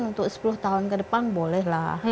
untuk sepuluh tahun ke depan boleh lah